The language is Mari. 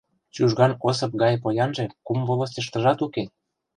— Чужган Осып гай поянже кум волостьыштыжат уке.